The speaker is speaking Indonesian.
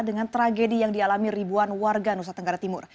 dengan tragedi yang dialami ribuan warga nusa tenggara timur